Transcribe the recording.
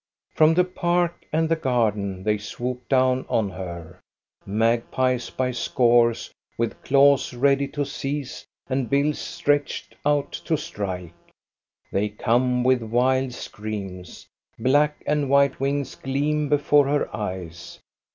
From the park and the garden they swoop down on her, magpies by scores, with claws ready to seize and bills stretched out to strike. They come with wild screams. Black and white wings gleam before her eyes.